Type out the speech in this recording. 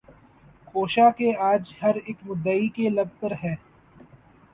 خوشا کہ آج ہر اک مدعی کے لب پر ہے